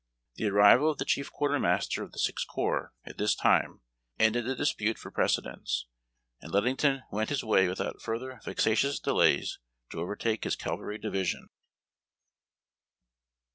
The arrival of the chief quartermaster of the Sixth Corps, at this time, ended the dispute for precedence, and Ludington went his way without further vexatious delays to overtake liis cavalry division.